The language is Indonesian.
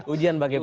ujian bagi pks